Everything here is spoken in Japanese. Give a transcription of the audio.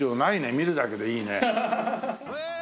見るだけでいいね。